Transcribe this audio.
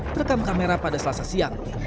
terekam kamera pada selasa siang